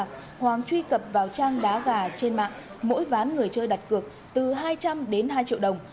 và hoàng truy cập vào trang đá gà trên mạng mỗi ván người chơi đặt cược từ hai trăm linh đến hai triệu đồng